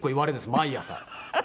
毎朝。